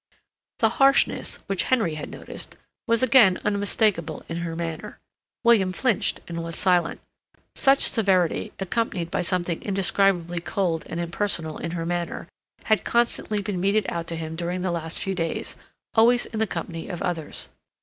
The harshness, which Henry had noticed, was again unmistakable in her manner. William flinched and was silent. Such severity, accompanied by something indescribably cold and impersonal in her manner, had constantly been meted out to him during the last few days, always in the company of others.